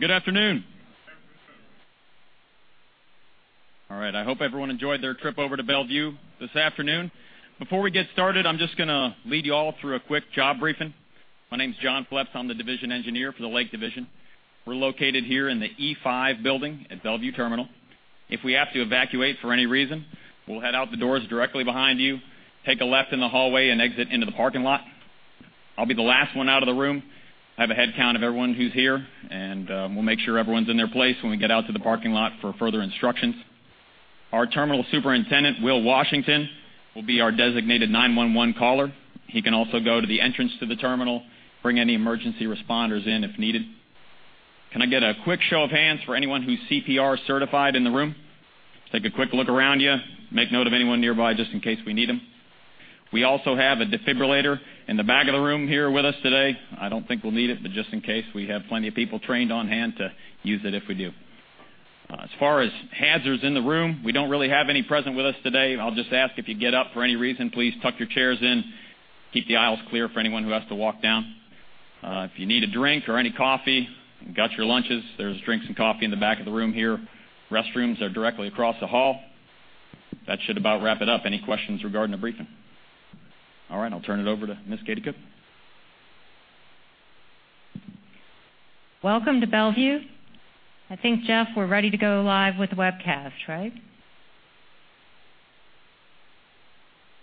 Good afternoon! All right. I hope everyone enjoyed their trip over to Bellevue this afternoon. Before we get started, I'm just gonna lead you all through a quick job briefing. My name's John Phillips. I'm the division engineer for the Lake Division. We're located here in the E5 Building at Bellevue Terminal. If we have to evacuate for any reason, we'll head out the doors directly behind you, take a left in the hallway, and exit into the parking lot. I'll be the last one out of the room. I have a headcount of everyone who's here, and we'll make sure everyone's in their place when we get out to the parking lot for further instructions. Our terminal superintendent, Will Washington, will be our designated 911 caller. He can also go to the entrance to the terminal, bring any emergency responders in if needed. Can I get a quick show of hands for anyone who's CPR certified in the room? Take a quick look around you, make note of anyone nearby just in case we need them. We also have a defibrillator in the back of the room here with us today. I don't think we'll need it, but just in case, we have plenty of people trained on-hand to use it if we do. As far as hazards in the room, we don't really have any present with us today. I'll just ask, if you get up for any reason, please tuck your chairs in. Keep the aisles clear for anyone who has to walk down. If you need a drink or any coffee, you got your lunches, there's drinks and coffee in the back of the room here. Restrooms are directly across the hall. That should about wrap it up. Any questions regarding the briefing? All right, I'll turn it over to Ms. Katie Cook. Welcome to Bellevue. I think, Jeff, we're ready to go live with the webcast, right?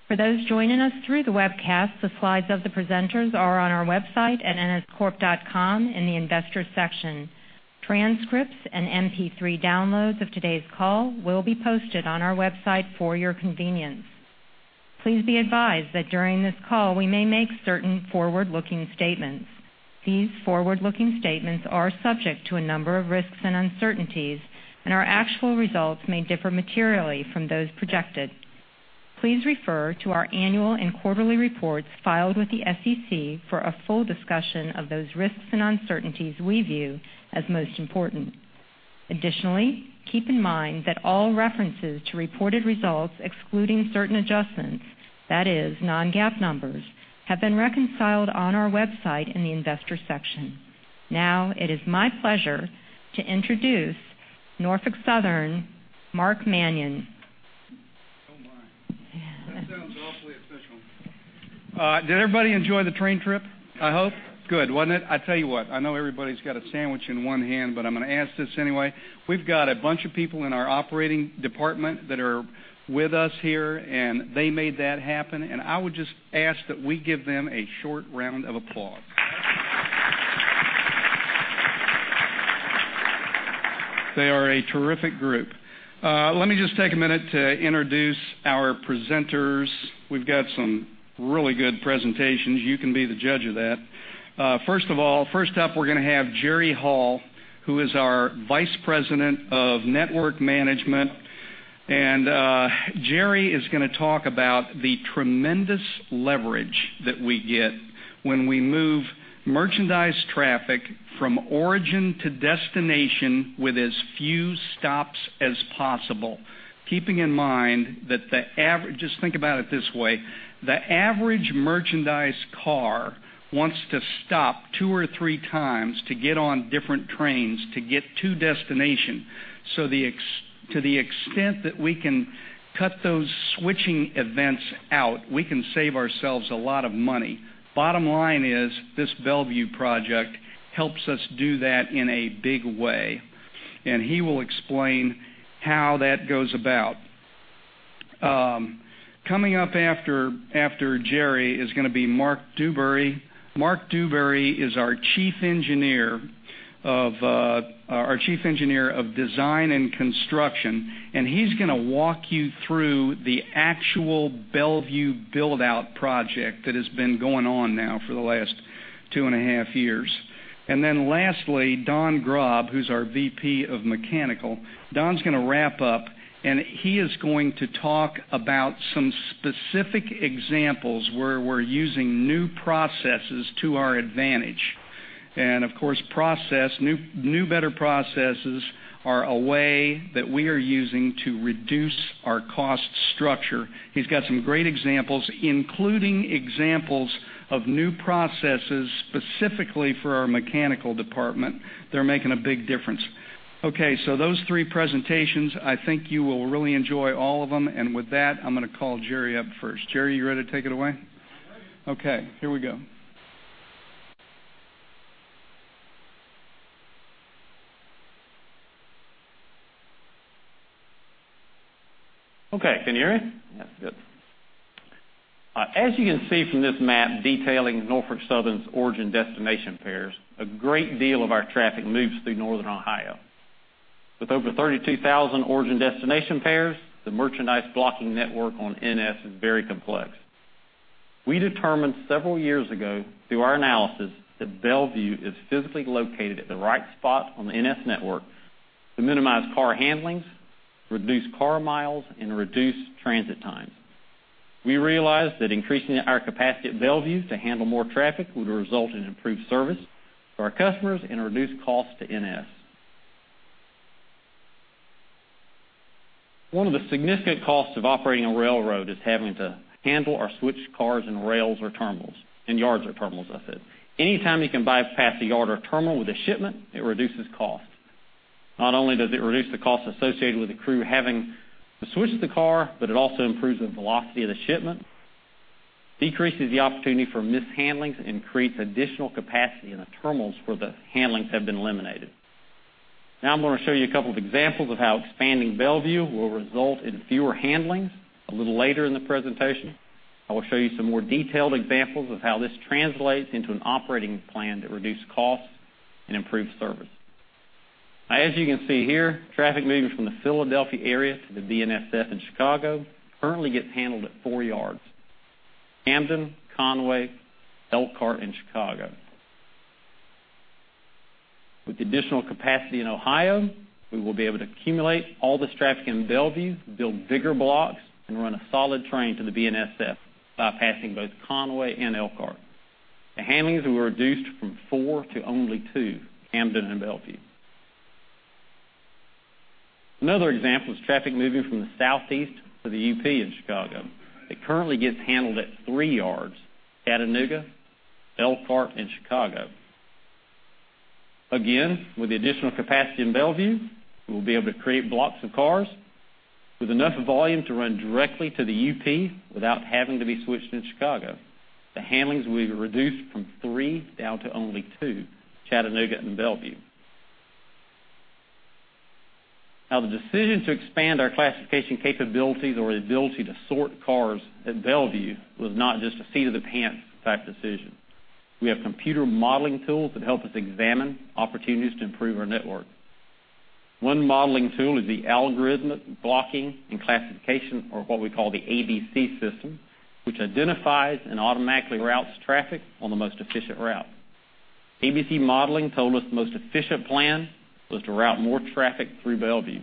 For those joining us through the webcast, the slides of the presenters are on our website at nscorp.com in the Investors section. Transcripts and MP3 downloads of today's call will be posted on our website for your convenience. Please be advised that during this call, we may make certain forward-looking statements. These forward-looking statements are subject to a number of risks and uncertainties, and our actual results may differ materially from those projected. Please refer to our annual and quarterly reports filed with the SEC for a full discussion of those risks and uncertainties we view as most important. Additionally, keep in mind that all references to reported results, excluding certain adjustments, that is non-GAAP numbers, have been reconciled on our website in the Investors section. Now, it is my pleasure to introduce Norfolk Southern's Mark Manion. Oh, my. That sounds awfully official. Did everybody enjoy the train trip, I hope? Good, wasn't it? I tell you what, I know everybody's got a sandwich in one hand, but I'm gonna ask this anyway. We've got a bunch of people in our operating department that are with us here, and they made that happen, and I would just ask that we give them a short round of applause. They are a terrific group. Let me just take a minute to introduce our presenters. We've got some really good presentations. You can be the judge of that. First of all, first up, we're gonna have Gerry Hall, who is our Vice President of Network Management. Gerry is gonna talk about the tremendous leverage that we get when we move merchandise traffic from origin to destination with as few stops as possible, keeping in mind that just think about it this way: the average merchandise car wants to stop two or three times to get on different trains to get to destination. So to the extent that we can cut those switching events out, we can save ourselves a lot of money. Bottom line is, this Bellevue project helps us do that in a big way, and he will explain how that goes about. Coming up after Gerry is gonna be Mark Dewberry. Mark Dewberry is our Chief Engineer of Design and Construction, and he's gonna walk you through the actual Bellevue build-out project that has been going on now for the last two and a half years. And then lastly, Don Graab, who's our VP of Mechanical. Don's gonna wrap up, and he is going to talk about some specific examples where we're using new processes to our advantage. And of course, process, new, new better processes are a way that we are using to reduce our cost structure. He's got some great examples, including examples of new processes, specifically for our mechanical department. They're making a big difference. Okay, so those three presentations, I think you will really enjoy all of them. And with that, I'm gonna call Gerry up first. Gerry, you ready to take it away? I'm ready. Okay, here we go. Okay, can you hear me? That's good. As you can see from this map detailing Norfolk Southern's origin-destination pairs, a great deal of our traffic moves through northern Ohio. With over 32,000 origin-destination pairs, the merchandise blocking network on NS is very complex. We determined several years ago, through our analysis, that Bellevue is physically located at the right spot on the NS network to minimize car handlings, reduce car miles, and reduce transit time. We realized that increasing our capacity at Bellevue to handle more traffic would result in improved service for our customers and reduce costs to NS. One of the significant costs of operating a railroad is having to handle or switch cars and rails or terminals, and yards or terminals, I said. Anytime you can bypass a yard or terminal with a shipment, it reduces cost. Not only does it reduce the cost associated with the crew having to switch the car, but it also improves the velocity of the shipment, decreases the opportunity for mishandlings, and creates additional capacity in the terminals where the handlings have been eliminated. Now I'm going to show you a couple of examples of how expanding Bellevue will result in fewer handlings. A little later in the presentation, I will show you some more detailed examples of how this translates into an operating plan that reduces costs and improves service. As you can see here, traffic moving from the Philadelphia area to the BNSF in Chicago currently gets handled at four yards: Camden, Conway, Elkhart, and Chicago. With the additional capacity in Ohio, we will be able to accumulate all this traffic in Bellevue, build bigger blocks, and run a solid train to the BNSF, bypassing both Conway and Elkhart. The handlings were reduced from 4 to only 2, Camden and Bellevue. Another example is traffic moving from the Southeast to the UP in Chicago. It currently gets handled at 3 yards, Chattanooga, Elkhart, and Chicago. Again, with the additional capacity in Bellevue, we'll be able to create blocks of cars with enough volume to run directly to the UP without having to be switched in Chicago. The handlings will be reduced from 3 down to only 2, Chattanooga and Bellevue. Now, the decision to expand our classification capabilities or the ability to sort cars at Bellevue was not just a seat-of-the-pants type decision. We have computer modeling tools that help us examine opportunities to improve our network. One modeling tool is the Algorithmic Blocking and Classification, or what we call the ABC system, which identifies and automatically routes traffic on the most efficient route. ABC modeling told us the most efficient plan was to route more traffic through Bellevue.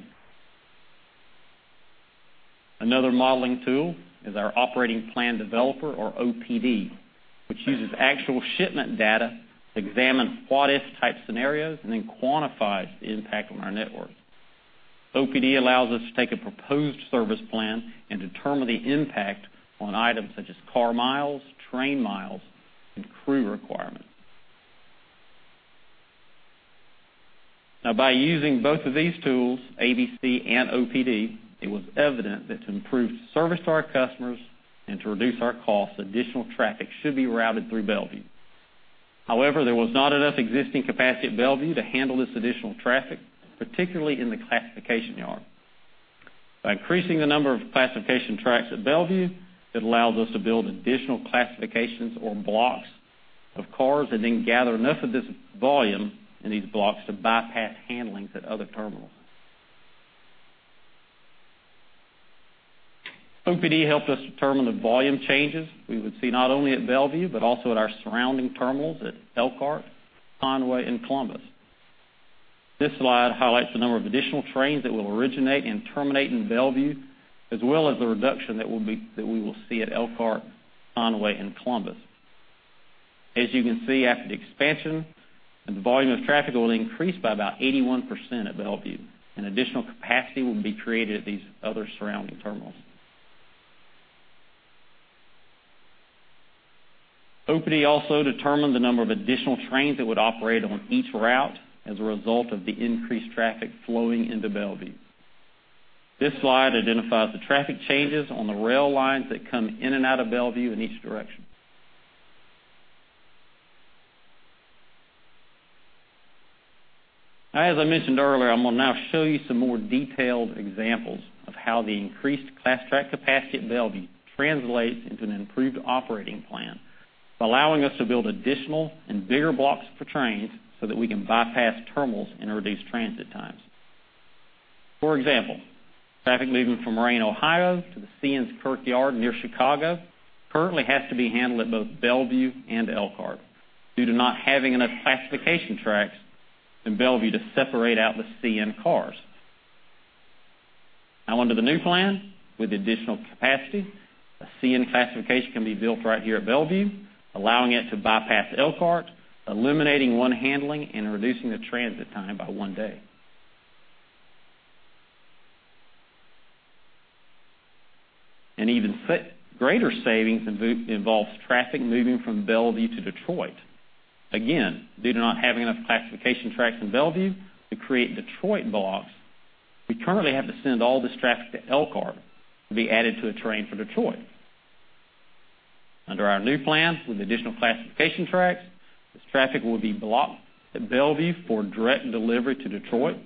Another modeling tool is our Operating Plan Developer or OPD, which uses actual shipment data to examine what-if type scenarios and then quantifies the impact on our network. OPD allows us to take a proposed service plan and determine the impact on items such as car miles, train miles, and crew requirements. Now, by using both of these tools, ABC and OPD, it was evident that to improve service to our customers and to reduce our costs, additional traffic should be routed through Bellevue. However, there was not enough existing capacity at Bellevue to handle this additional traffic, particularly in the classification yard. By increasing the number of classification tracks at Bellevue, it allows us to build additional classifications or blocks of cars, and then gather enough of this volume in these blocks to bypass handlings at other terminals. OPD helped us determine the volume changes we would see, not only at Bellevue, but also at our surrounding terminals at Elkhart, Conway, and Columbus. This slide highlights the number of additional trains that will originate and terminate in Bellevue, as well as the reduction that we will see at Elkhart, Conway, and Columbus. As you can see, after the expansion, the volume of traffic will increase by about 81% at Bellevue, and additional capacity will be created at these other surrounding terminals. OPD also determined the number of additional trains that would operate on each route as a result of the increased traffic flowing into Bellevue. This slide identifies the traffic changes on the rail lines that come in and out of Bellevue in each direction. Now, as I mentioned earlier, I'm going to now show you some more detailed examples of how the increased class track capacity at Bellevue translates into an improved operating plan, allowing us to build additional and bigger blocks for trains so that we can bypass terminals and reduce transit times. For example, traffic moving from Moraine, Ohio, to the CN's Kirk Yard near Chicago, currently has to be handled at both Bellevue and Elkhart due to not having enough classification tracks in Bellevue to separate out the CN cars. Now, under the new plan, with additional capacity, a CN classification can be built right here at Bellevue, allowing it to bypass Elkhart, eliminating one handling and reducing the transit time by one day. An even greater savings involves traffic moving from Bellevue to Detroit. Again, due to not having enough classification tracks in Bellevue to create Detroit blocks, we currently have to send all this traffic to Elkhart to be added to a train for Detroit. Under our new plan, with additional classification tracks, this traffic will be blocked at Bellevue for direct delivery to Detroit.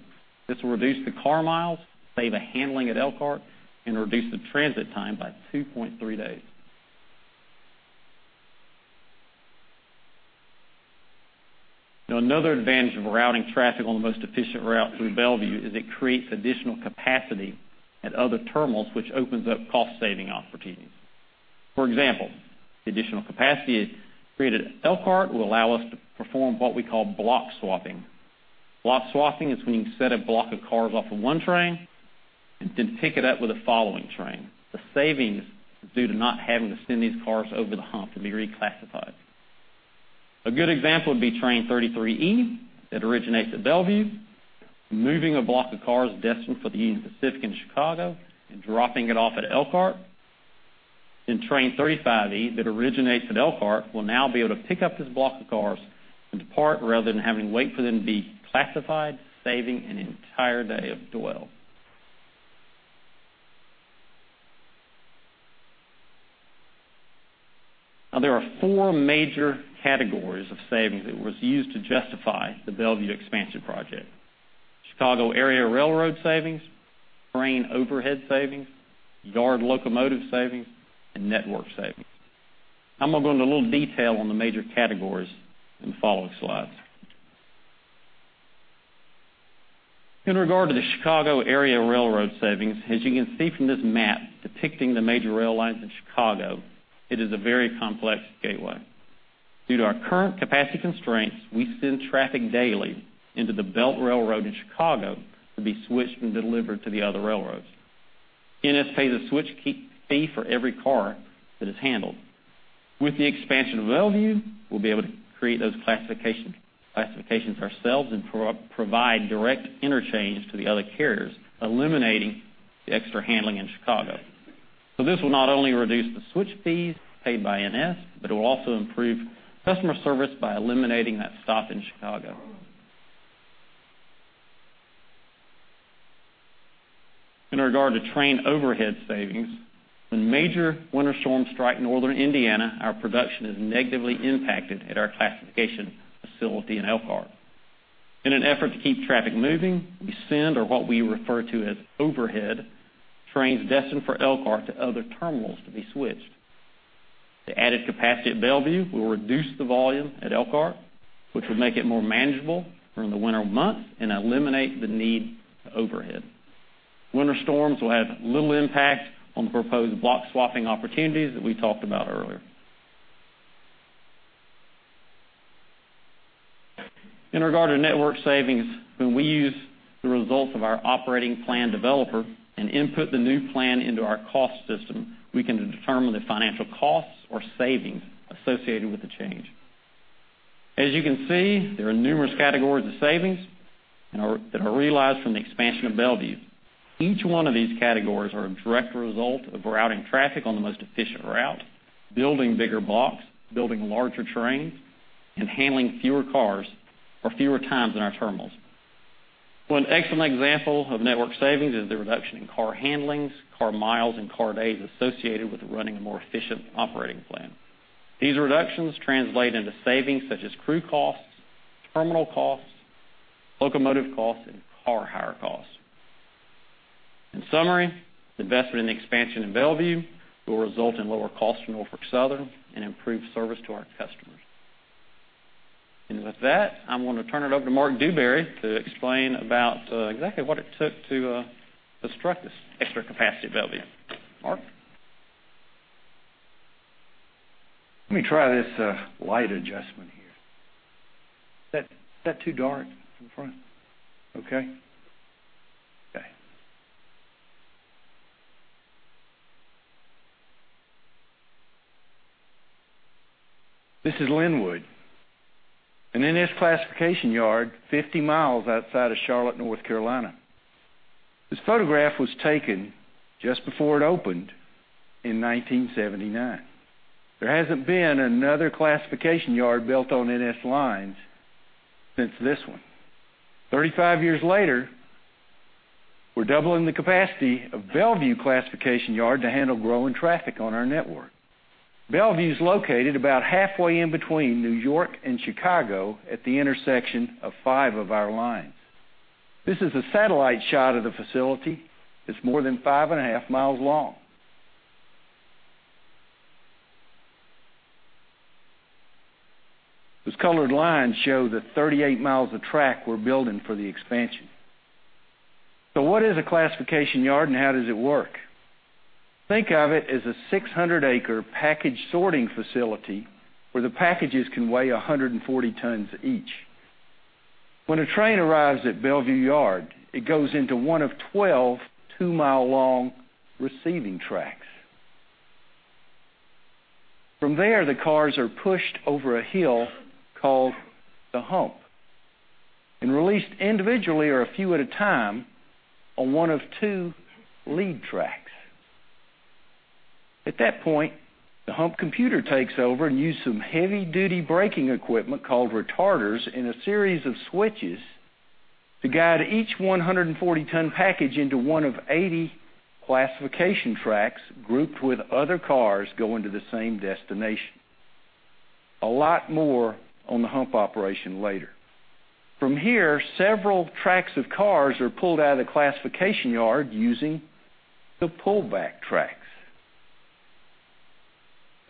This will reduce the car miles, save a handling at Elkhart, and reduce the transit time by 2.3 days. Now, another advantage of routing traffic on the most efficient route through Bellevue is it creates additional capacity at other terminals, which opens up cost-saving opportunities. For example, the additional capacity it created at Elkhart will allow us to perform what we call block swapping. Block swapping is when you set a block of cars off of one train and then pick it up with a following train. The savings due to not having to send these cars over the hump to be reclassified. A good example would be Train 33E, that originates at Bellevue, moving a block of cars destined for the Union Pacific in Chicago and dropping it off at Elkhart. Then Train 35E, that originates at Elkhart, will now be able to pick up this block of cars and depart, rather than having to wait for them to be classified, saving an entire day of dwell. Now, there are 4 major categories of savings that was used to justify the Bellevue Expansion Project: Chicago area railroad savings, train overhead savings, yard locomotive savings, and network savings. I'm gonna go into a little detail on the major categories in the following slides. In regard to the Chicago area railroad savings, as you can see from this map depicting the major rail lines in Chicago, it is a very complex gateway. Due to our current capacity constraints, we send traffic daily into the Belt Railway in Chicago to be switched and delivered to the other railroads. NS pays a switch fee for every car that is handled. With the expansion of Bellevue, we'll be able to create those classifications ourselves and provide direct interchange to the other carriers, eliminating the extra handling in Chicago. So this will not only reduce the switch fees paid by NS, but it will also improve customer service by eliminating that stop in Chicago. In regard to train overhead savings, when major winter storms strike northern Indiana, our production is negatively impacted at our classification facility in Elkhart. In an effort to keep traffic moving, we send, or what we refer to as overhead, trains destined for Elkhart to other terminals to be switched. The added capacity at Bellevue will reduce the volume at Elkhart, which will make it more manageable during the winter months and eliminate the need for overhead. Winter storms will have little impact on the proposed block swapping opportunities that we talked about earlier. In regard to network savings, when we use the results of our operating plan developer and input the new plan into our cost system, we can determine the financial costs or savings associated with the change. As you can see, there are numerous categories of savings that are realized from the expansion of Bellevue. Each one of these categories are a direct result of routing traffic on the most efficient route, building bigger blocks, building larger trains, and handling fewer cars or fewer times in our terminals. One excellent example of network savings is the reduction in car handlings, car miles, and car days associated with running a more efficient operating plan. These reductions translate into savings such as crew costs, terminal costs, locomotive costs, and car hire costs. In summary, the investment in the expansion in Bellevue will result in lower costs for Norfolk Southern and improved service to our customers. And with that, I'm going to turn it over to Mark Dewberry to explain about exactly what it took to construct this extra capacity at Bellevue. Mark? Let me try this, light adjustment here. Is that, is that too dark in the front? Okay. Okay. This is Linwood, an NS classification yard 50 miles outside of Charlotte, North Carolina. This photograph was taken just before it opened in 1979. There hasn't been another classification yard built on NS lines since this one. 35 years later, we're doubling the capacity of Bellevue Classification Yard to handle growing traffic on our network. Bellevue is located about halfway in between New York and Chicago, at the intersection of five of our lines. This is a satellite shot of the facility. It's more than five and a half miles long. These colored lines show the 38 miles of track we're building for the expansion. So what is a classification yard, and how does it work? Think of it as a 600-acre package sorting facility where the packages can weigh 140 tons each. When a train arrives at Bellevue Yard, it goes into one of 12 2-mile-long receiving tracks. From there, the cars are pushed over a hill called The Hump, and released individually or a few at a time on one of 2 lead tracks. At that point, the hump computer takes over and uses some heavy-duty braking equipment called retarders and a series of switches to guide each 140-ton package into one of 80 classification tracks, grouped with other cars going to the same destination. A lot more on the hump operation later. From here, several tracks of cars are pulled out of the classification yard using the pullback tracks,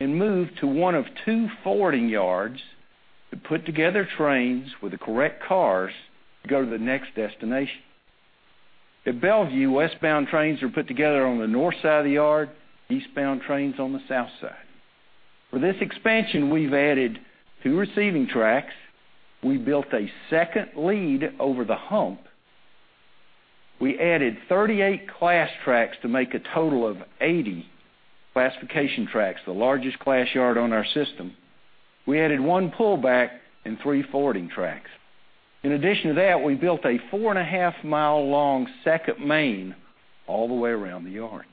and moved to one of two forwarding yards that put together trains with the correct cars to go to the next destination. At Bellevue, westbound trains are put together on the north side of the yard, eastbound trains on the south side. For this expansion, we've added two receiving tracks, we built a second lead over the hump. We added 38 class tracks to make a total of 80 classification tracks, the largest class yard on our system. We added one pullback and three forwarding tracks. In addition to that, we built a 4.5-mile long second main all the way around the yard.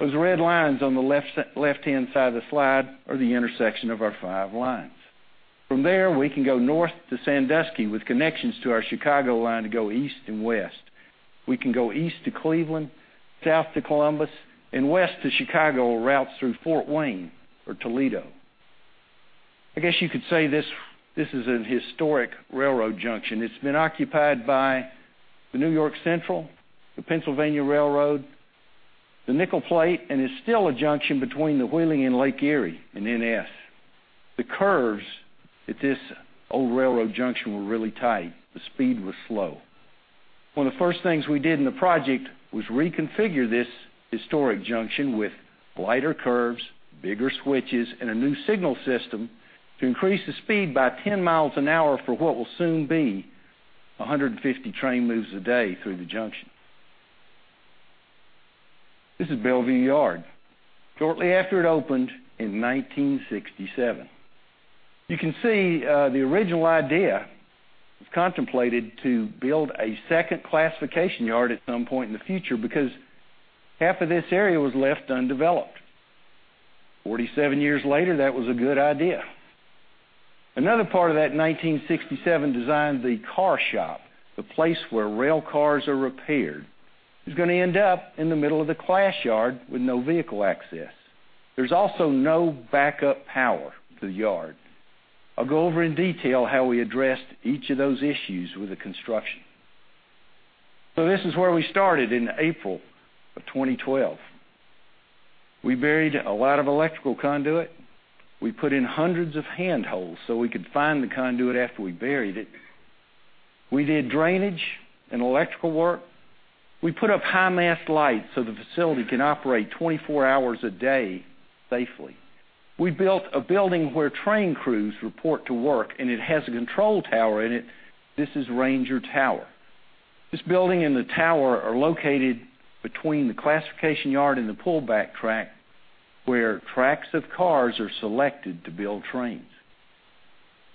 Those red lines on the left-hand side of the slide are the intersection of our five lines. From there, we can go north to Sandusky, with connections to our Chicago Line to go east and west. We can go east to Cleveland, south to Columbus, and west to Chicago, or routes through Fort Wayne or Toledo. I guess you could say this, this is a historic railroad junction. It's been occupied by the New York Central, the Pennsylvania Railroad, the Nickel Plate, and is still a junction between the Wheeling and Lake Erie and NS. The curves at this old railroad junction were really tight. The speed was slow. One of the first things we did in the project was reconfigure this historic junction with lighter curves, bigger switches, and a new signal system to increase the speed by 10 miles an hour for what will soon be 150 train moves a day through the junction. This is Bellevue Yard shortly after it opened in 1967. You can see the original idea was contemplated to build a second classification yard at some point in the future because half of this area was left undeveloped. 47 years later, that was a good idea. Another part of that 1967 design, the car shop, the place where rail cars are repaired, is gonna end up in the middle of the class yard with no vehicle access. There's also no backup power to the yard. I'll go over in detail how we addressed each of those issues with the construction. So this is where we started in April 2012. We buried a lot of electrical conduit, we put in hundreds of hand holes so we could find the conduit after we buried it. We did drainage and electrical work. We put up high mast lights so the facility can operate 24 hours a day safely. We built a building where train crews report to work, and it has a control tower in it. This is Ranger Tower. This building and the tower are located between the classification yard and the pullback track, where tracks of cars are selected to build trains.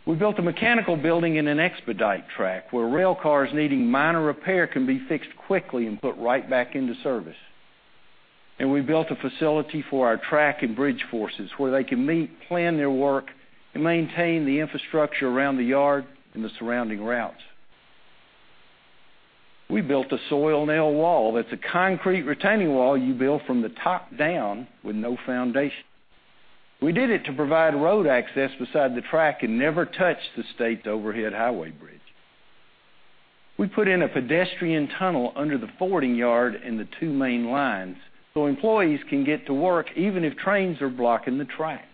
We built a mechanical building and an expedite track, where rail cars needing minor repair can be fixed quickly and put right back into service. We built a facility for our track and bridge forces, where they can meet, plan their work, and maintain the infrastructure around the yard and the surrounding routes. We built a soil nail wall. That's a concrete retaining wall you build from the top down with no foundation. We did it to provide road access beside the track and never touch the state's overhead highway bridge. We put in a pedestrian tunnel under the forwarding yard and the two main lines, so employees can get to work even if trains are blocking the track.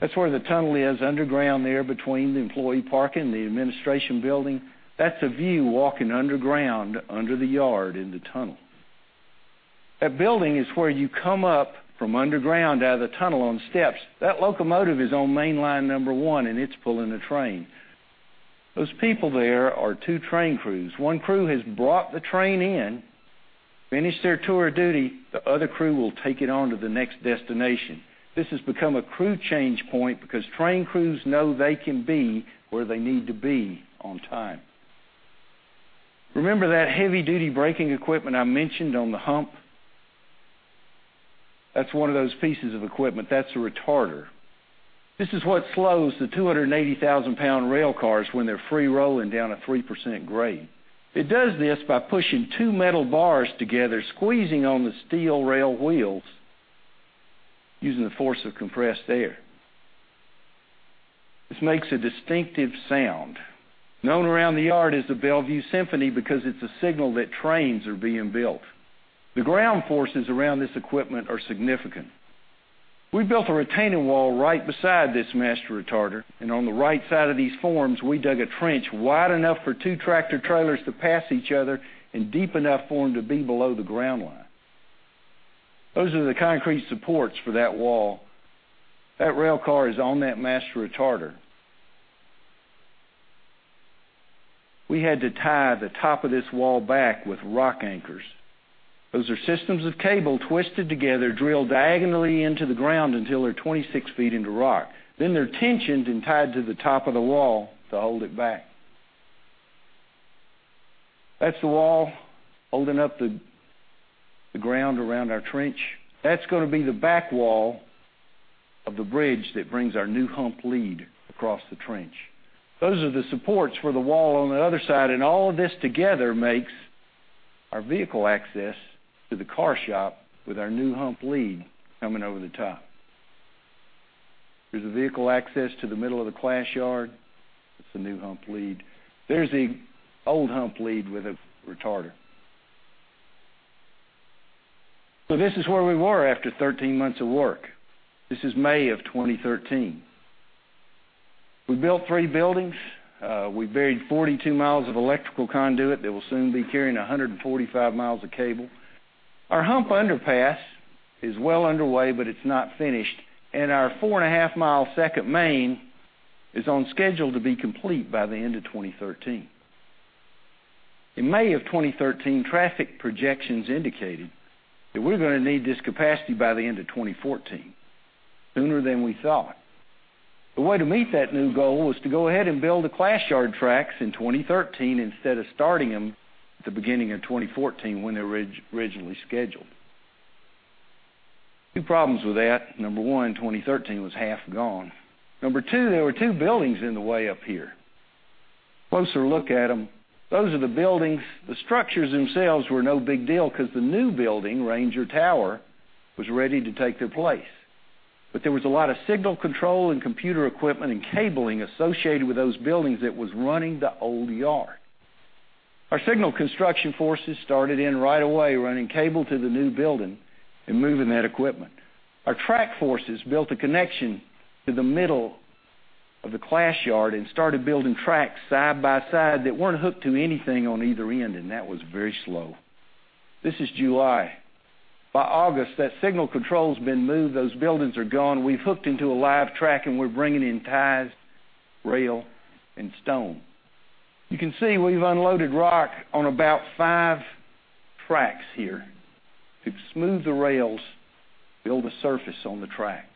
That's where the tunnel is, underground there between the employee parking and the administration building. That's a view walking underground, under the yard in the tunnel. That building is where you come up from underground, out of the tunnel on steps. That locomotive is on mainline number 1, and it's pulling a train. Those people there are two train crews. One crew has brought the train in, finished their tour of duty, the other crew will take it on to the next destination. This has become a crew change point because train crews know they can be where they need to be on time. Remember that heavy-duty braking equipment I mentioned on the hump? That's one of those pieces of equipment. That's a retarder. This is what slows the 280,000-pound rail cars when they're free rolling down a 3% grade. It does this by pushing two metal bars together, squeezing on the steel rail wheels, using the force of compressed air. This makes a distinctive sound, known around the yard as the Bellevue Symphony, because it's a signal that trains are being built. The ground forces around this equipment are significant. We built a retaining wall right beside this master retarder, and on the right side of these forms, we dug a trench wide enough for two tractor trailers to pass each other and deep enough for them to be below the ground line. Those are the concrete supports for that wall. That rail car is on that master retarder. We had to tie the top of this wall back with rock anchors. Those are systems of cable twisted together, drilled diagonally into the ground until they're 26 feet into rock. Then they're tensioned and tied to the top of the wall to hold it back. That's the wall holding up the ground around our trench. That's gonna be the back wall of the bridge that brings our new hump lead across the trench. Those are the supports for the wall on the other side, and all of this together makes our vehicle access to the car shop with our new hump lead coming over the top. There's a vehicle access to the middle of the class yard. That's the new hump lead. There's the old hump lead with a retarder. So this is where we were after 13 months of work. This is May of 2013. We built 3 buildings, we buried 42 miles of electrical conduit that will soon be carrying 145 miles of cable. Our hump underpass is well underway, but it's not finished, and our 4.5-mile second main is on schedule to be complete by the end of 2013. In May of 2013, traffic projections indicated that we're gonna need this capacity by the end of 2014, sooner than we thought. The way to meet that new goal was to go ahead and build the class yard tracks in 2013 instead of starting them at the beginning of 2014, when they were originally scheduled. Two problems with that. Number one, 2013 was half gone. Number two, there were two buildings in the way up here. Closer look at them. Those are the buildings. The structures themselves were no big deal 'cause the new building, Ranger Tower, was ready to take their place. But there was a lot of signal control and computer equipment and cabling associated with those buildings that was running the old yard. Our signal construction forces started in right away, running cable to the new building and moving that equipment. Our track forces built a connection to the middle of the class yard and started building tracks side by side that weren't hooked to anything on either end, and that was very slow. This is July. By August, that signal control's been moved, those buildings are gone. We've hooked into a live track, and we're bringing in ties, rail, and stone. You can see we've unloaded rock on about 5 tracks here to smooth the rails, build a surface on the track,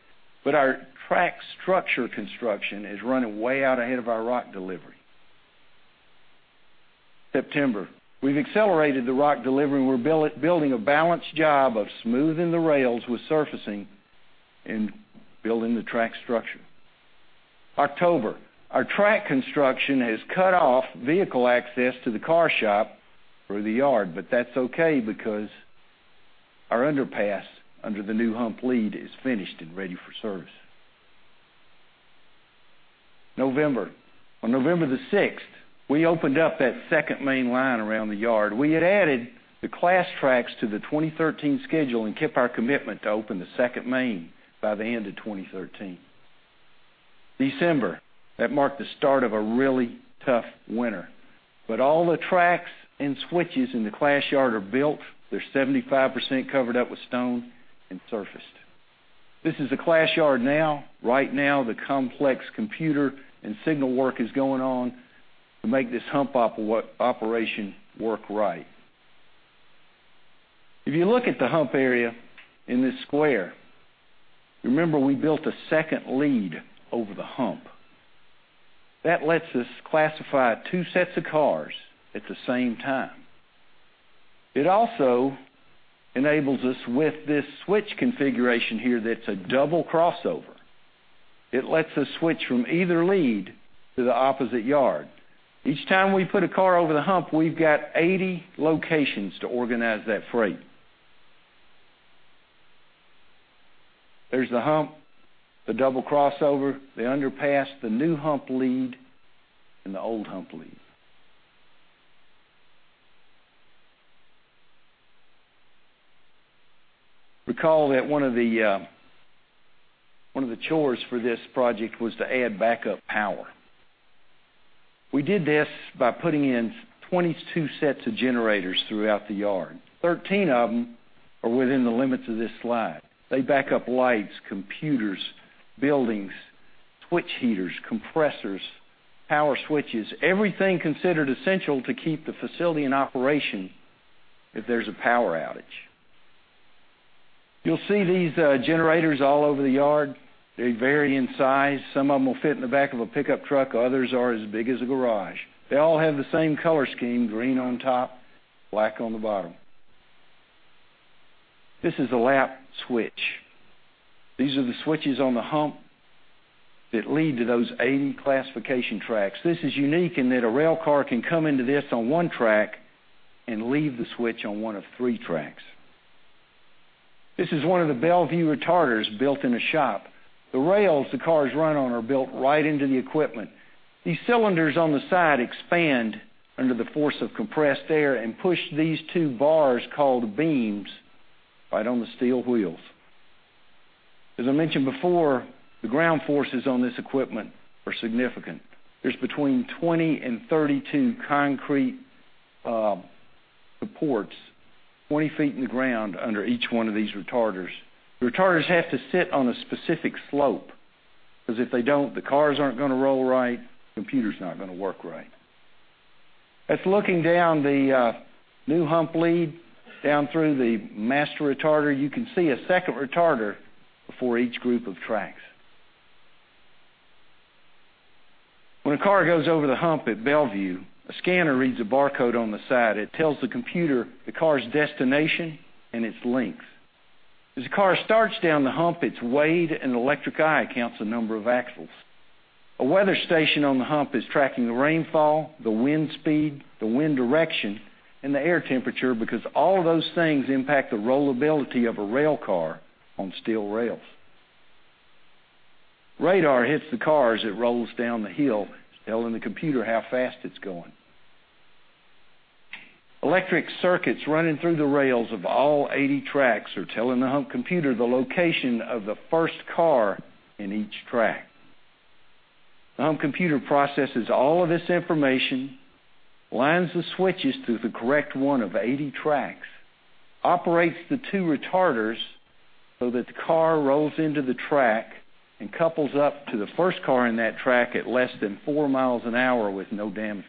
but our track structure construction is running way out ahead of our rock delivery. September, we've accelerated the rock delivery, and we're building a balanced job of smoothing the rails with surfacing and building the track structure. October, our track construction has cut off vehicle access to the car shop through the yard, but that's okay because our underpass under the new hump lead is finished and ready for service. November. On November the sixth, we opened up that second main line around the yard. We had added the class tracks to the 2013 schedule and kept our commitment to open the second main by the end of 2013. December, that marked the start of a really tough winter, but all the tracks and switches in the class yard are built. They're 75% covered up with stone and surfaced. This is the class yard now. Right now, the complex computer and signal work is going on to make this hump operation work right. If you look at the hump area in this square, remember, we built a second lead over the hump. That lets us classify two sets of cars at the same time. It also enables us with this switch configuration here that's a double crossover. It lets us switch from either lead to the opposite yard. Each time we put a car over the hump, we've got 80 locations to organize that freight. There's the hump, the double crossover, the underpass, the new hump lead, and the old hump lead. Recall that one of the chores for this project was to add backup power. We did this by putting in 22 sets of generators throughout the yard. 13 of them are within the limits of this slide. They back up lights, computers, buildings, switch heaters, compressors, power switches, everything considered essential to keep the facility in operation if there's a power outage. You'll see these generators all over the yard. They vary in size. Some of them will fit in the back of a pickup truck, others are as big as a garage. They all have the same color scheme, green on top, black on the bottom. This is a lap switch. These are the switches on the hump that lead to those 80 classification tracks. This is unique in that a rail car can come into this on one track and leave the switch on one of three tracks. This is one of the Bellevue retarders built in a shop. The rails the cars run on are built right into the equipment. These cylinders on the side expand under the force of compressed air and push these two bars, called beams, right on the steel wheels. As I mentioned before, the ground forces on this equipment are significant. There's between 20 and 32 concrete supports, 20 feet in the ground under each one of these retarders. The retarders have to sit on a specific slope, 'cause if they don't, the cars aren't gonna roll right, computer's not gonna work right. That's looking down the new hump lead, down through the master retarder. You can see a second retarder before each group of tracks. When a car goes over the hump at Bellevue, a scanner reads a barcode on the side. It tells the computer the car's destination and its length. As the car starts down the hump, it's weighed, and an electric eye counts the number of axles. A weather station on the hump is tracking the rainfall, the wind speed, the wind direction, and the air temperature, because all those things impact the rollability of a rail car on steel rails. Radar hits the car as it rolls down the hill, telling the computer how fast it's going. Electric circuits running through the rails of all 80 tracks are telling the hump computer the location of the first car in each track. The hump computer processes all of this information, lines the switches to the correct one of 80 tracks, operates the two retarders so that the car rolls into the track and couples up to the first car in that track at less than 4 miles an hour with no damage.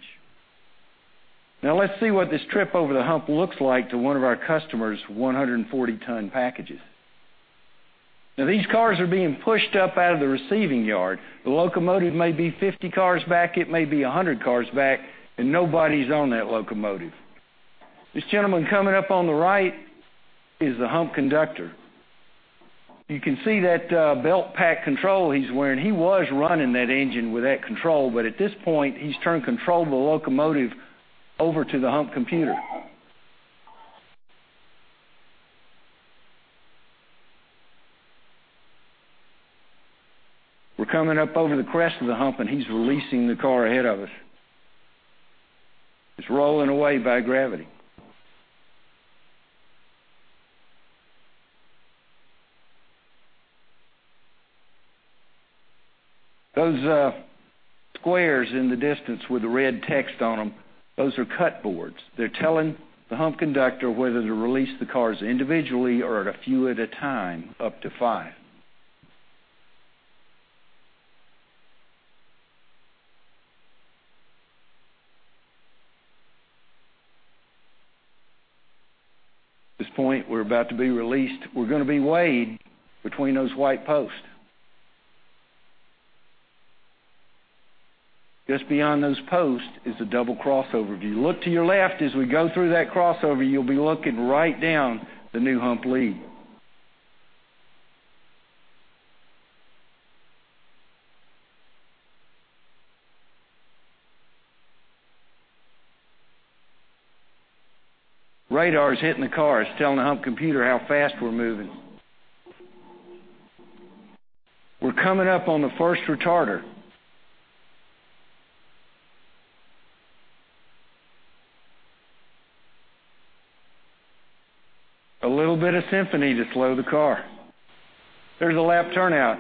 Now, let's see what this trip over the hump looks like to one of our customers, 140-ton packages. Now, these cars are being pushed up out of the receiving yard. The locomotive may be 50 cars back, it may be 100 cars back, and nobody's on that locomotive. This gentleman coming up on the right is the hump conductor. You can see that, belt pack control he's wearing. He was running that engine with that control, but at this point, he's turned control of the locomotive over to the hump computer. We're coming up over the crest of the hump, and he's releasing the car ahead of us. It's rolling away by gravity. Those squares in the distance with the red text on them, those are cut boards. They're telling the hump conductor whether to release the cars individually or a few at a time, up to five. At this point, we're about to be released. We're gonna be weighed between those white posts. Just beyond those posts is a double crossover. If you look to your left as we go through that crossover, you'll be looking right down the new hump lead. Radar is hitting the cars, telling the hump computer how fast we're moving. We're coming up on the first retarder. A little bit of sympathy to slow the car. There's a lap turnout.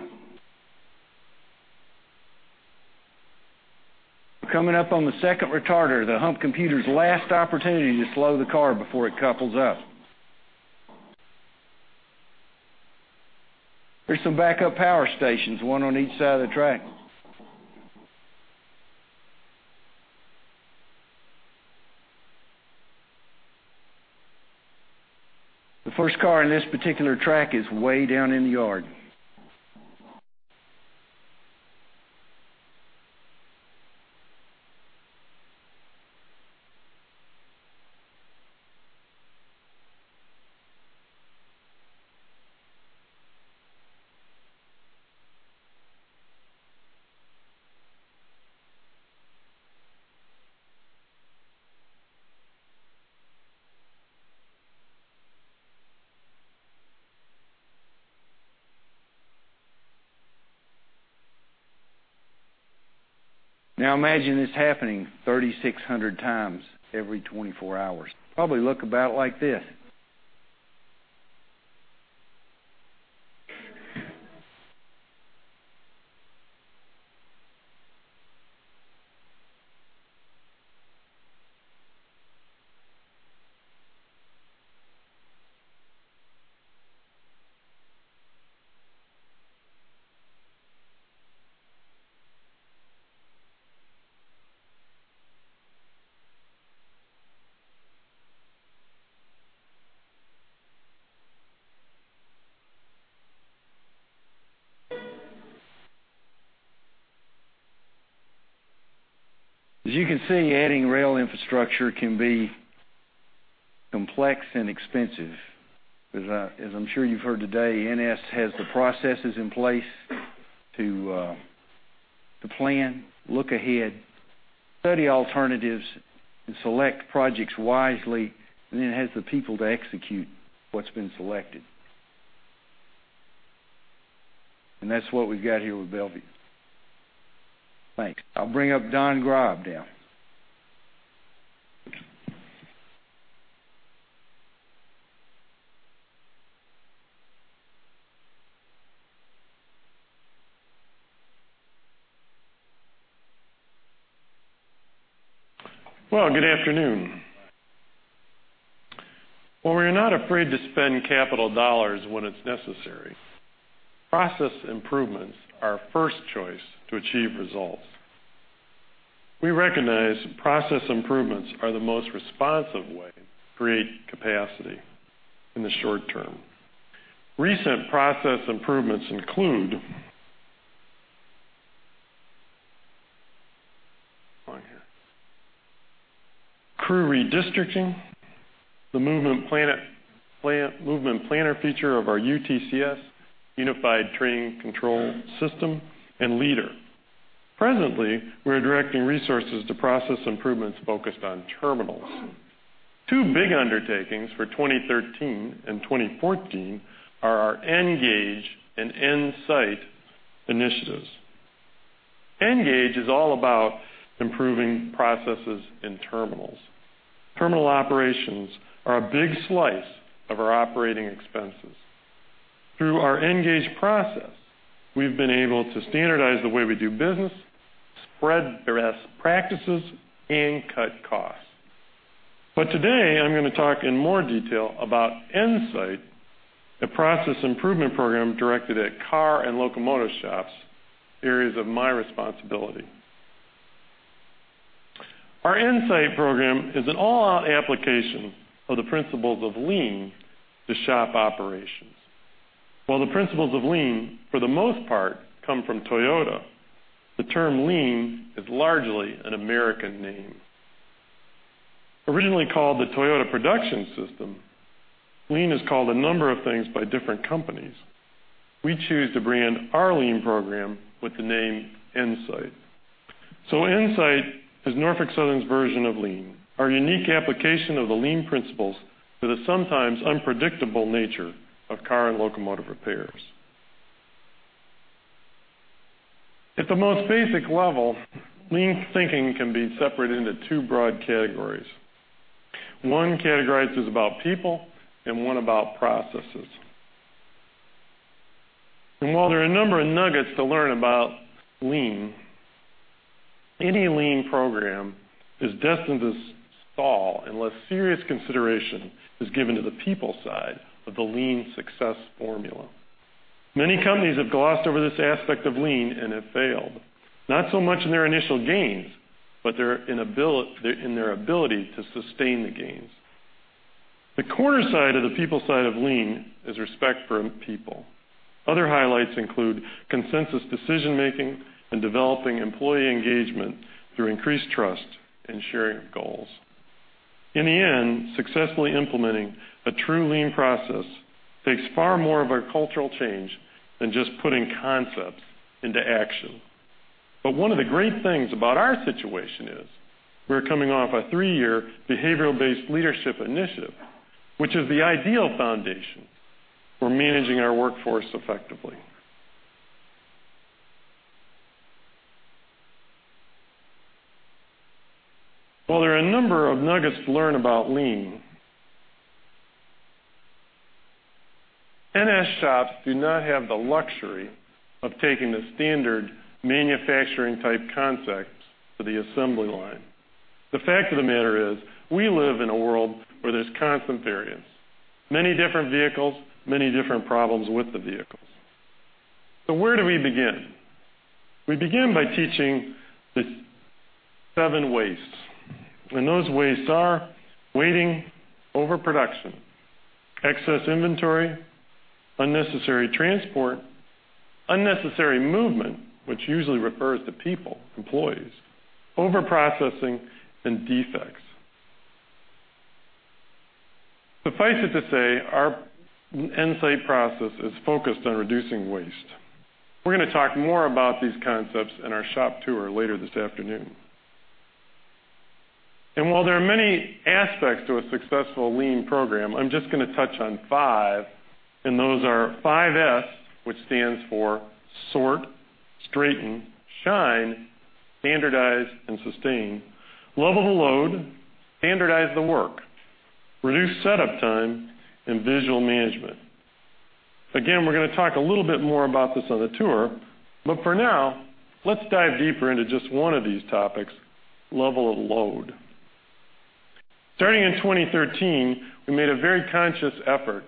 We're coming up on the second retarder, the hump computer's last opportunity to slow the car before it couples up. There's some backup power stations, one on each side of the track. The first car in this particular track is way down in the yard. Now, imagine this happening 3,600 times every 24 hours. Probably look about like this. As you can see, adding rail infrastructure can be complex and expensive. As I, as I'm sure you've heard today, NS has the processes in place to, to plan, look ahead, study alternatives, and select projects wisely, and then has the people to execute what's been selected. And that's what we've got here with Bellevue. Thanks. I'll bring up Don Graab now. Well, good afternoon. While we are not afraid to spend capital dollars when it's necessary, process improvements are our first choice to achieve results. We recognize process improvements are the most responsive way to create capacity in the short term. Recent process improvements include... Crew redistricting, the Movement Planner feature of our UTCS, Unified Train Control System, and LEADER. Presently, we're directing resources to process improvements focused on terminals. Two big undertakings for 2013 and 2014 are our Engage and Insight initiatives. Engage is all about improving processes in terminals. Terminal operations are a big slice of our operating expenses. Through our Engage process, we've been able to standardize the way we do business, spread best practices, and cut costs. But today, I'm gonna talk in more detail about Insight, a process improvement program directed at car and locomotive shops, areas of my responsibility. Our Insight program is an all-out application of the principles of Lean to shop operations. While the principles of Lean, for the most part, come from Toyota, the term Lean is largely an American name. Originally called the Toyota Production System, Lean is called a number of things by different companies. We choose to brand our Lean program with the name Insight. So Insight is Norfolk Southern's version of Lean, our unique application of the Lean principles to the sometimes unpredictable nature of car and locomotive repairs. At the most basic level, Lean thinking can be separated into two broad categories. One category is about people and one about processes. While there are a number of nuggets to learn about Lean, any Lean program is destined to stall unless serious consideration is given to the people side of the Lean success formula. Many companies have glossed over this aspect of Lean and have failed, not so much in their initial gains, but in their ability to sustain the gains. The cornerstone of the people side of Lean is respect for people. Other highlights include consensus decision-making and developing employee engagement through increased trust and sharing of goals. In the end, successfully implementing a true Lean process takes far more of a cultural change than just putting concepts into action. One of the great things about our situation is we're coming off a three-year behavioral-based leadership initiative, which is the ideal foundation for managing our workforce effectively. While there are a number of nuggets to learn about Lean, NS shops do not have the luxury of taking the standard manufacturing-type concepts to the assembly line. The fact of the matter is, we live in a world where there's constant variance, many different vehicles, many different problems with the vehicles. So where do we begin? We begin by teaching the seven wastes, and those wastes are waiting, overproduction, excess inventory, unnecessary transport, unnecessary movement, which usually refers to people, employees, overprocessing, and defects. Suffice it to say, our Insight process is focused on reducing waste. We're gonna talk more about these concepts in our shop tour later this afternoon. And while there are many aspects to a successful Lean program, I'm just gonna touch on five, and those are 5S, which stands for sort, straighten, shine, standardize, and sustain, level the load, standardize the work, reduce setup time, and visual management. Again, we're gonna talk a little bit more about this on the tour, but for now, let's dive deeper into just one of these topics, level the load. Starting in 2013, we made a very conscious effort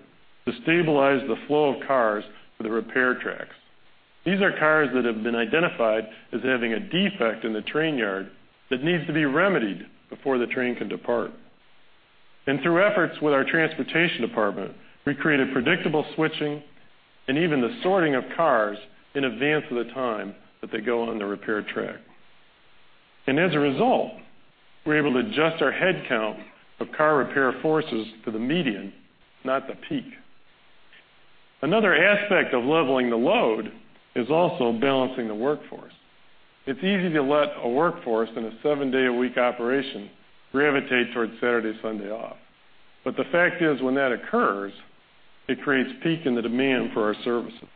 to stabilize the flow of cars for the repair tracks. These are cars that have been identified as having a defect in the train yard that needs to be remedied before the train can depart. And through efforts with our transportation department, we created predictable switching and even the sorting of cars in advance of the time that they go on the repair track. And as a result, we're able to adjust our headcount of car repair forces to the median, not the peak. Another aspect of leveling the load is also balancing the workforce. It's easy to let a workforce in a seven-day-a-week operation gravitate towards Saturday, Sunday off. But the fact is, when that occurs, it creates peak in the demand for our services.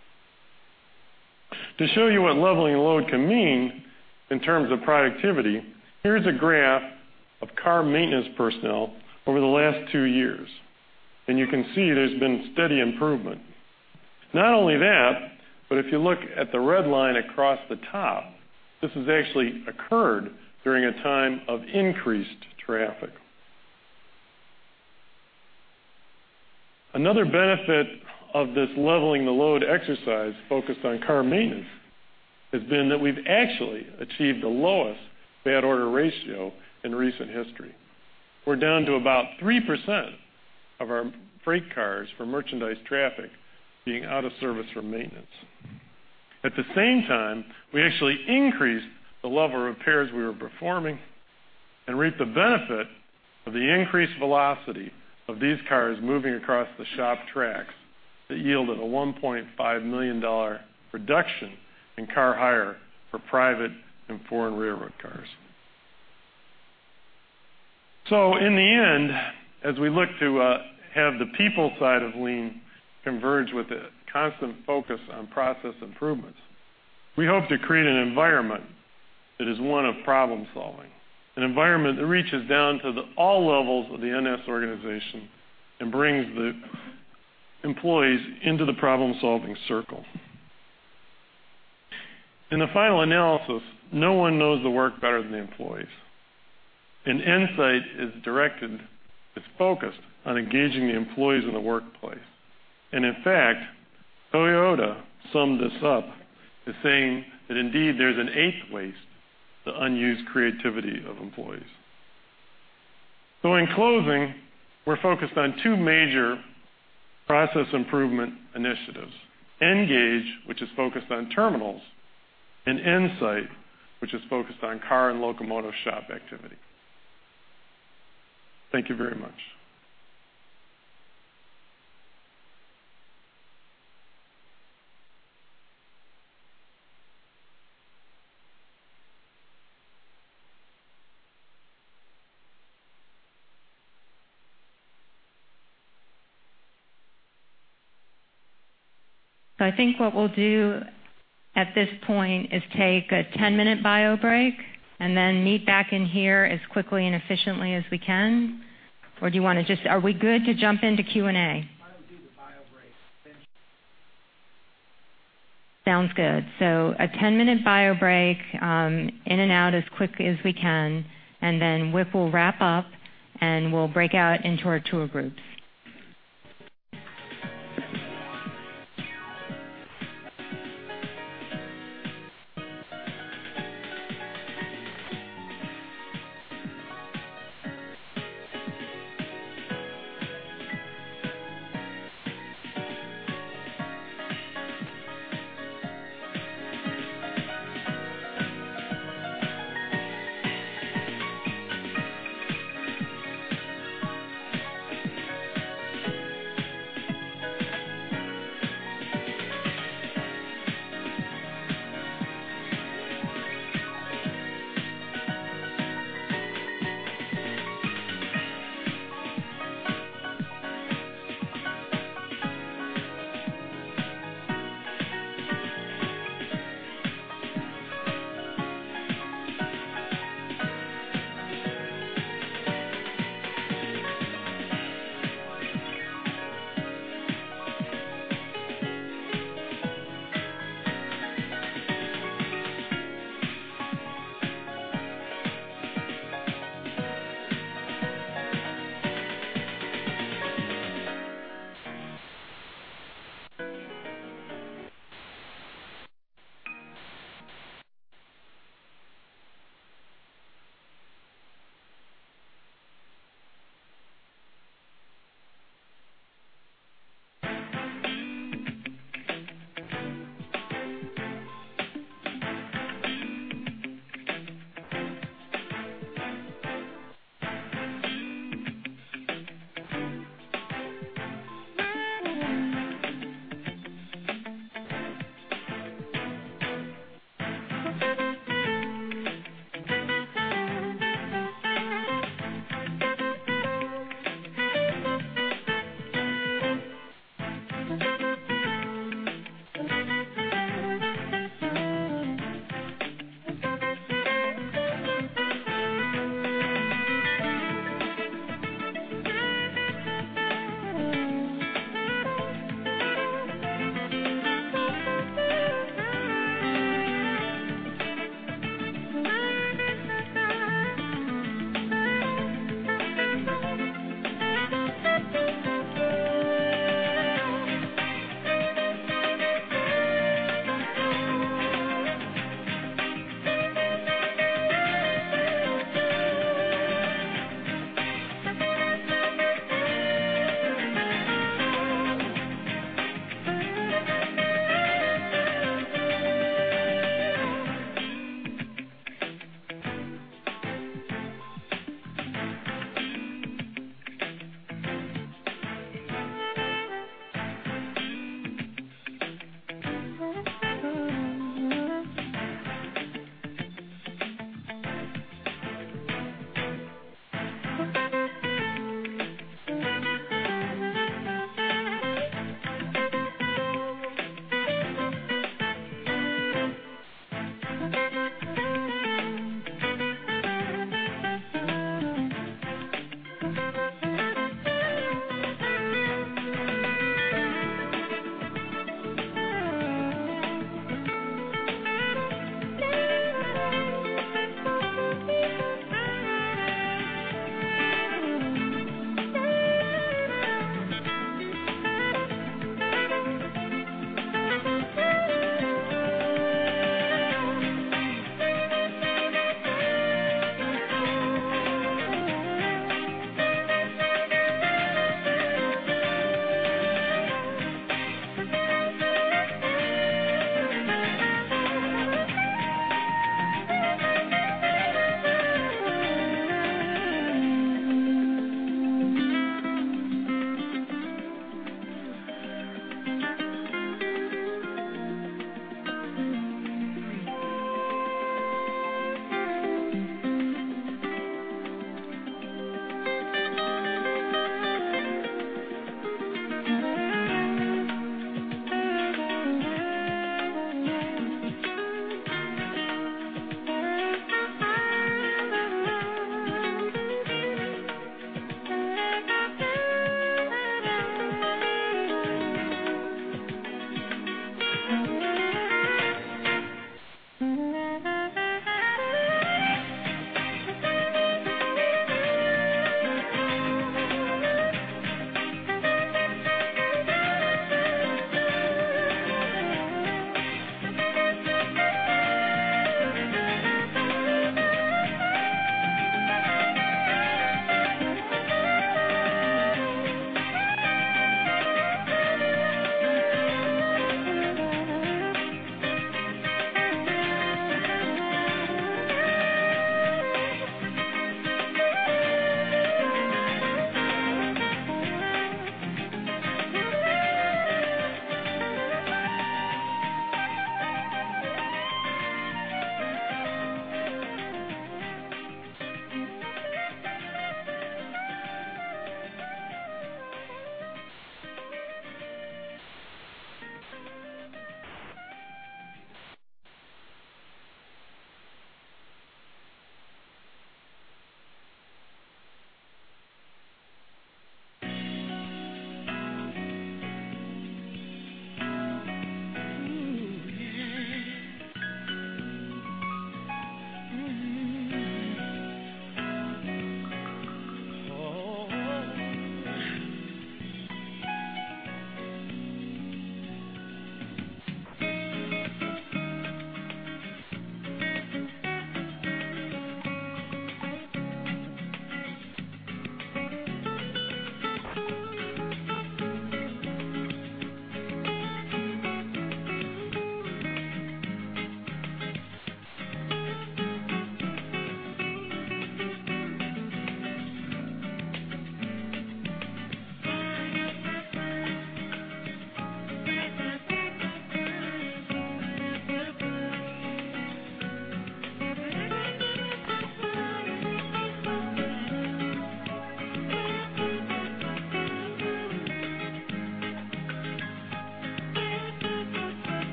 To show you what leveling a load can mean in terms of productivity, here's a graph of car maintenance personnel over the last two years, and you can see there's been steady improvement. Not only that, but if you look at the red line across the top, this has actually occurred during a time of increased traffic. Another benefit of this leveling the load exercise focused on car maintenance, has been that we've actually achieved the lowest bad order ratio in recent history. We're down to about 3% of our freight cars for merchandise traffic being out of service for maintenance. At the same time, we actually increased the level of repairs we were performing and reaped the benefit of the increased velocity of these cars moving across the shop tracks that yielded a $1.5 million reduction in car hire for private and foreign railroad cars. So in the end, as we look to have the people side of Lean converge with a constant focus on process improvements. We hope to create an environment that is one of problem-solving, an environment that reaches down to the all levels of the NS organization and brings the employees into the problem-solving circle. In the final analysis, no one knows the work better than the employees, and Insight is directed, it's focused on engaging the employees in the workplace. And in fact, Toyota summed this up to saying that, indeed, there's an eighth waste, the unused creativity of employees. In closing, we're focused on two major process improvement initiatives, Engage, which is focused on terminals, and Insight, which is focused on car and locomotive shop activity. Thank you very much. I think what we'll do at this point is take a 10-minute bio break and then meet back in here as quickly and efficiently as we can. Or do you want to just, are we good to jump into Q&A? Why don't we do the bio break? Sounds good. So a 10-minute bio break, in and out as quick as we can, and then Wick will wrap up, and we'll break out into our tour groups.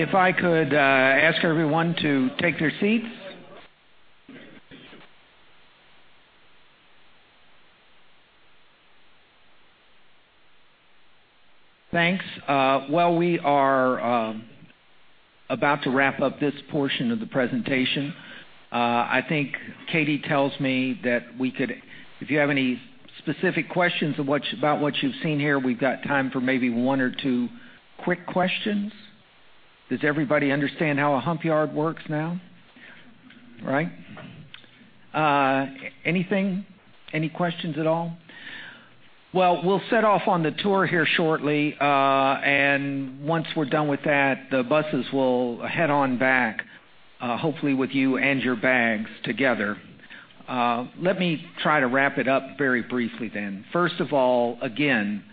If I could ask everyone to take their seats. Thanks. Well, we are about to wrap up this portion of the presentation. I think Katie tells me that we could, if you have any specific questions about what you've seen here, we've got time for maybe one or two quick questions. Does everybody understand how a hump yard works now? Right. Anything? Any questions at all? Well, we'll set off on the tour here shortly, and once we're done with that, the buses will head on back, hopefully with you and your bags together. Let me try to wrap it up very briefly then. First of all, again,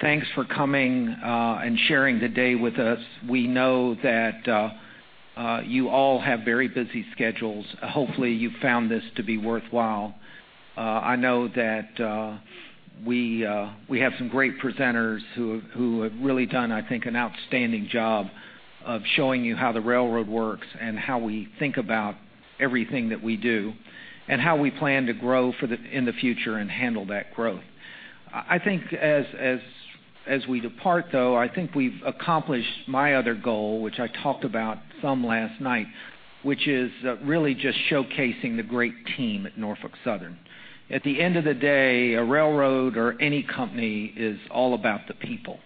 thanks for coming, and sharing the day with us. We know that you all have very busy schedules. Hopefully, you found this to be worthwhile. I know that we have some great presenters who have really done, I think, an outstanding job of showing you how the railroad works and how we think about everything that we do, and how we plan to grow in the future and handle that growth. I think as we depart, though, I think we've accomplished my other goal, which I talked about some last night, which is really just showcasing the great team at Norfolk Southern. At the end of the day, a railroad or any company is all about the people,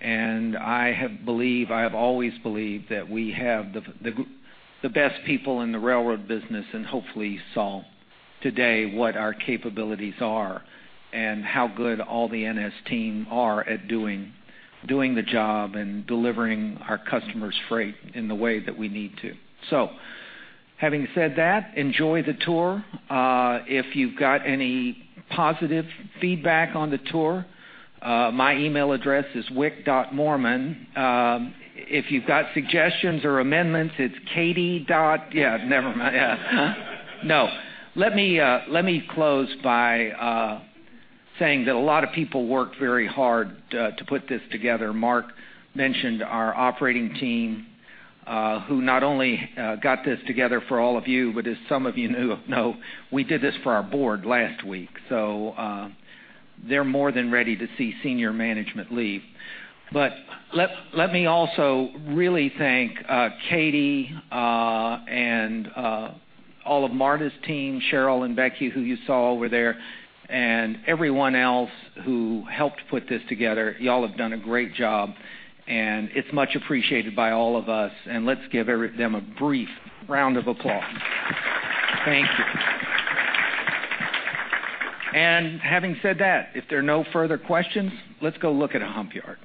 and I have believed, I have always believed that we have the best people in the railroad business, and hopefully, you saw today what our capabilities are and how good all the NS team are at doing the job and delivering our customers' freight in the way that we need to. So having said that, enjoy the tour. If you've got any positive feedback on the tour, my email address is wick.moorman. If you've got suggestions or amendments, it's katie-dot. Yeah, never mind. Yeah. No. Let me close by saying that a lot of people worked very hard to put this together. Mark mentioned our operating team, who not only got this together for all of you, but as some of you knew, know, we did this for our board last week, so they're more than ready to see senior management leave. But let me also really thank Katie and all of Marta's team, Cheryl and Becky, who you saw over there, and everyone else who helped put this together. You all have done a great job, and it's much appreciated by all of us. And let's give them a brief round of applause. Thank you. And having said that, if there are no further questions, let's go look at a hump yard.